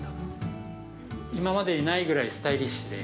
◆今までにないぐらいスタイリッシュで。